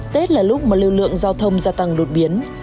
tết là lúc mà lưu lượng giao thông gia tăng đột biến